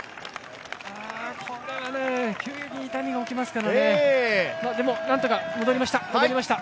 これは急に痛みが起きますからね、でもなんとか戻りました。